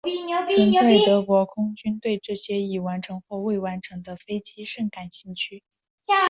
纳粹德国空军对这些已完成或未完成的飞机甚感兴趣。